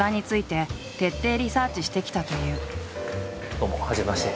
どうもはじめまして。